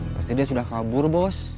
pasti dia sudah kabur bos